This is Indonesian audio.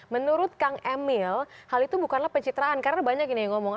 menurut kang emil hal itu bukanlah pencitraan karena banyak ini yang ngomong